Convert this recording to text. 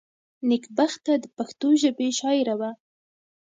نېکبخته دپښتو ژبي شاعره وه.